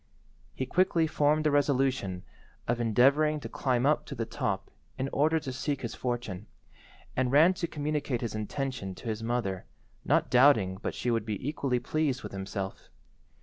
He quickly formed the resolution of endeavouring to climb up to the top in order to seek his fortune, and ran to communicate his intention to his mother, not doubting but she would be equally pleased with himself.